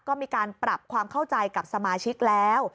ก็มีการปรับความเข้าใจกับสมาชิกแล้ว